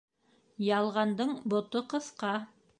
Ялғандың бото ҡыҫҡа.